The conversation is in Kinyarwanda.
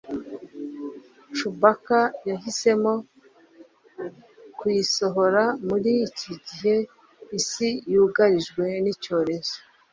cubaka yahisemo kuyisohora muri iki gihe isi yugarijwe n'icyorezo